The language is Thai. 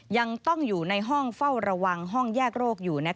ยังต้องอยู่ในห้องเฝ้าระวังห้องแยกโรคอยู่